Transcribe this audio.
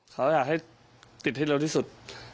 เขาอยากให้ติดให้เร็วที่สุด